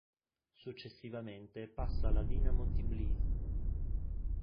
Successivamente passa alla Dinamo Tbilisi.